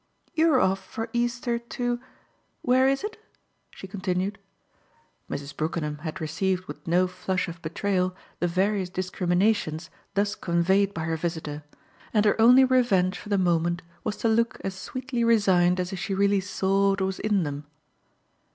"You're off for Easter to where is it?" she continued. Mrs. Brookenham had received with no flush of betrayal the various discriminations thus conveyed by her visitor, and her only revenge for the moment was to look as sweetly resigned as if she really saw what was in them.